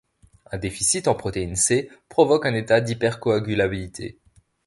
Un déficit en protéine C provoque un état d'hypercoagulabilité.